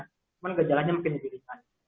cuma gejalanya mungkin diberikan